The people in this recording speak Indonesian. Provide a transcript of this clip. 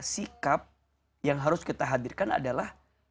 sikap yang harus kita hadirkan adalah